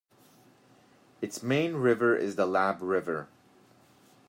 Its main river is the Lab River.